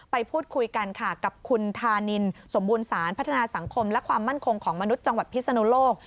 ไปพูดคุยกันค่ะกับคุณธานินสมบูรณสารพัฒนาสังคมและความมั่นคงของมนุษย์จังหวัดพิศนุโลก